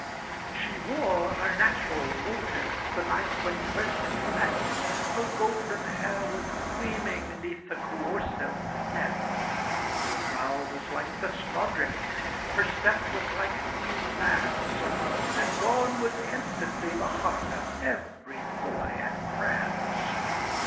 "She wore" her natural "roses, the night when first we met," Her golden hair was gleaming neath the coercive net: "Her brow was like the snawdrift," her step was like Queen Mab's, And gone was instantly the heart of every boy at Crabb's.